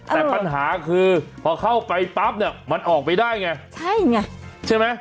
แต่ปัญหาคือพอเข้าไปปั๊บเนี่ยมันออกไปได้ไงใช่ไงใช่ไหม